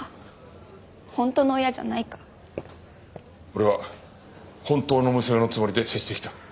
俺は本当の娘のつもりで接してきた。